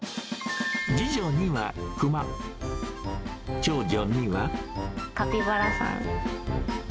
次女にはクマ、長女には。